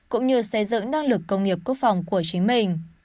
cũng như xây dựng năng lực công nghiệp quốc phòng của chính mình